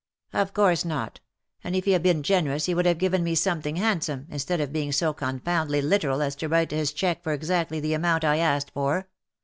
" Of course not : and if he had been generous he would have given me something handsome, instead of being so confoundedly literal as to write his cheque for exactly the amount I asked for.